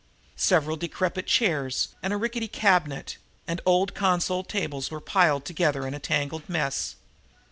Several decrepit chairs and rickety cabinets and old console tables were piled together in a tangled mass.